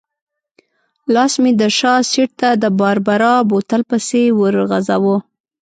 لاس مې د شا سېټ ته د باربرا بوتل پسې ورو غځاوه.